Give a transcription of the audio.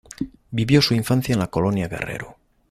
Vivió su infancia en la Colonia Guerrero.